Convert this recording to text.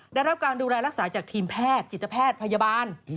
ได้รับการดูแลรักษาจากทีมแพทย์จิตแพทย์พยาบาล